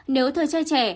nếu thơ chơi trẻ